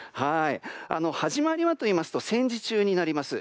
始まりはと言いますと戦時中になります。